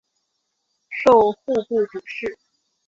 授户部主事。